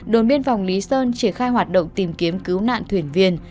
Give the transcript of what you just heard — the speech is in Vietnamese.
đồn biên phòng lý sơn triển khai hoạt động tìm kiếm cứu nạn thuyền viên